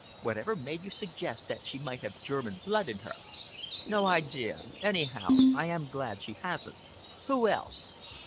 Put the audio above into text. Whatever made you suggest that she might have German blood in her?" "No idea! Anyhow, I am glad she hasn't. Who else?"